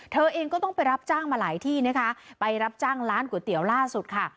เธอเองก็ต้องไปรับจ้างมาหลายที่นะคะไปรับจ้างร้านก๋วยเตี๋ยวล่าสุดค่ะ